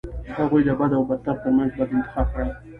هغوی د بد او بدتر ترمنځ بد انتخاب کړي.